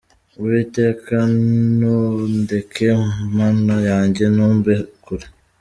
Uwiteka ntundeke, Mana yanjye ntumbe kure.